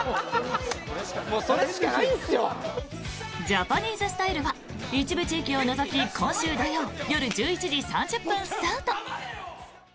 「ジャパニーズスタイル」は一部地域を除き今週土曜夜１１時３０分スタート。